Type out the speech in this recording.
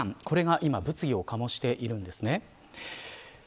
これが今、物議を醸しています。